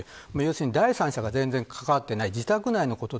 第三者が全然関わっていない自宅内でのこと。